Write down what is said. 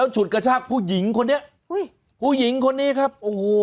ฉุดกระชากผู้หญิงคนนี้อุ้ยผู้หญิงคนนี้ครับโอ้โห